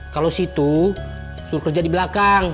kalau situ suruh kerja di belakang